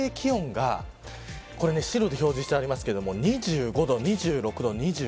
最低気温が白で表示してありますけど２５度、２６度、２５度。